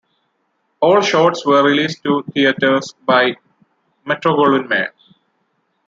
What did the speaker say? All shorts were released to theaters by Metro-Goldwyn-Mayer.